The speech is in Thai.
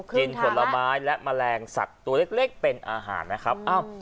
ผลไม้และแมลงสัตว์ตัวเล็กเป็นอาหารนะครับ